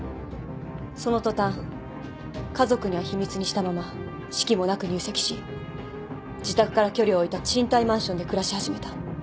その途端家族には秘密にしたまま式もなく入籍し自宅から距離を置いた賃貸マンションで暮らし始めた。